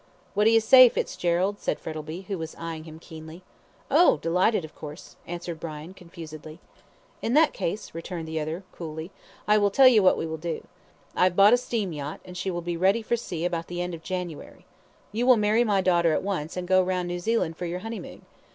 "What do you say, Fitzgerald?" said Frettlby, who was eyeing him keenly. "Oh, delighted, of course," answered Brian, confusedly. "In that case," returned the other, coolly, "I will tell you what we will do. I have bought a steam yacht, and she will be ready for sea about the end of January. You will marry my daughter at once, and go round New Zealand for your honeymoon.